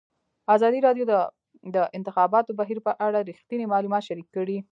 ازادي راډیو د د انتخاباتو بهیر په اړه رښتیني معلومات شریک کړي.